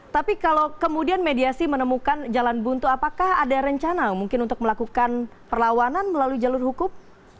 tapi kalau kemudian mediasi menemukan jalan buntu apakah ada rencana mungkin untuk melakukan perlawanan melalui jalur hukum